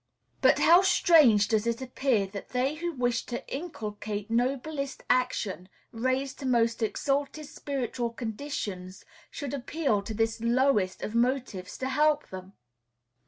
But how strange does it appear that they who wish to inculcate noblest action, raise to most exalted spiritual conditions, should appeal to this lowest of motives to help them!